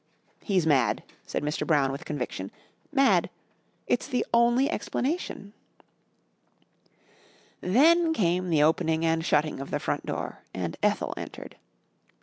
"He's mad," said Mr. Brown with conviction. "Mad. It's the only explanation." Then came the opening and shutting of the front door and Ethel entered.